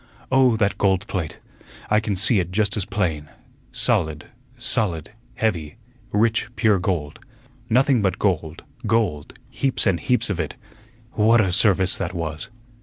Oh, that gold plate! I can see it just as plain solid, solid, heavy, rich, pure gold; nothing but gold, gold, heaps and heaps of it. What a service that was!"